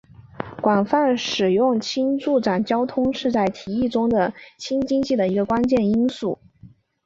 广泛使用氢助长交通是在提议中的氢经济的一个关键因素。